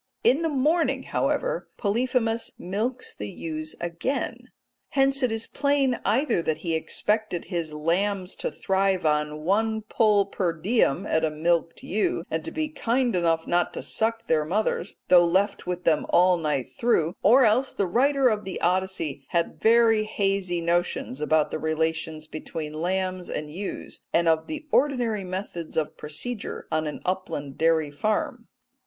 In the morning, however, Polyphemus milks the ewes again. Hence it is plain either that he expected his lambs to thrive on one pull per diem at a milked ewe, and to be kind enough not to suck their mothers, though left with them all night through, or else that the writer of the Odyssey had very hazy notions about the relations between lambs and ewes, and of the ordinary methods of procedure on an upland dairy farm.